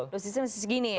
dosisnya masih segini ya